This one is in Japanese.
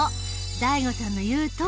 ＤＡＩＧＯさんの言うとおり。